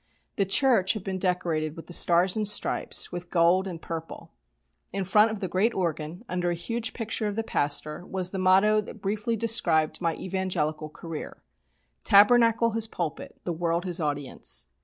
The church had been decorated with the stars and stripes, with gold and purple. In front of the great organ, under a huge picture of the pastor, was the motto that briefly described my evangelical career: "Tabernacle his pulpit; the world his audience."